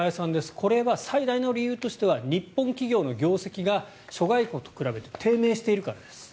これは最大の理由としては日本企業の業績が諸外国と比べて低迷しているからです。